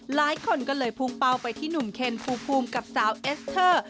หลายคนก็เลยพุ่งเป้าไปที่หนุ่มเคนภูมิกับสาวเอสเตอร์